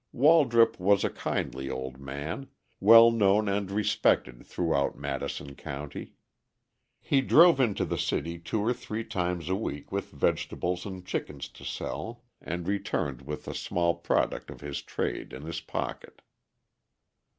Waldrop was a kindly old man, well known and respected throughout Madison County; he drove into the city two or three times a week with vegetables and chickens to sell, and returned with the small product of his trade in his pocket.